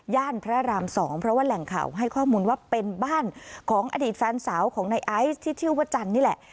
พระราม๒เพราะว่าแหล่งข่าวให้ข้อมูลว่าเป็นบ้านของอดีตแฟนสาวของในไอซ์ที่ชื่อว่าจันทร์นี่แหละ